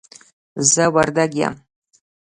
زه وردګ یم